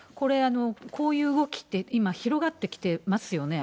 こういう動きって今、広がってきてますよね。